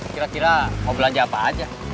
kira kira mau belanja apa aja